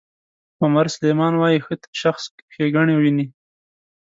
عمر سلیمان وایي ښه شخص ښېګڼې ویني.